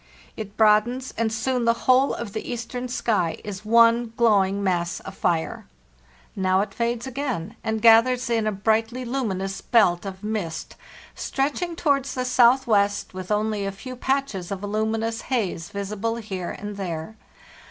It broadens, and soon the whole of the eastern sky is one glowing mass of fire. Now it fades again, LAND AT LAST 447 and gathers in a brightly luminous belt of mist stretch ing towards the southwest, with only a few patches of luminous haze visible here and there.